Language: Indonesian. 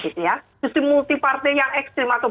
sistem multi partai yang ekstrim atau